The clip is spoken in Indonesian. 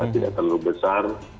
tidak terlalu besar